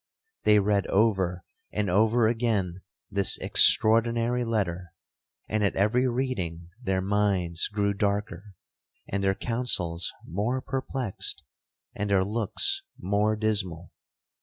They read over and over again this extraordinary letter, and at every reading their minds grew darker,—and their counsels more perplexed,—and their looks more dismal.